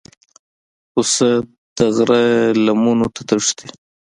پسه د غره لمنو ته تښتي.